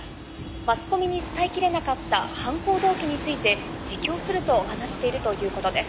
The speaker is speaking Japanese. マスコミに伝え切れなかった犯行動機について自供すると話しているということです。